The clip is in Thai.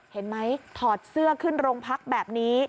เห็นไหมถอดเสื้อขึ้นโรงพักแบบนี้